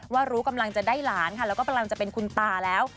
ว่ารู้กำลังจะได้หลานค่ะแล้วก็กำลังจะเป็นคุณตาแล้ว